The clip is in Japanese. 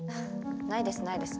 ないですないです。